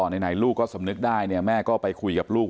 ไหนลูกก็สำนึกได้เนี่ยแม่ก็ไปคุยกับลูก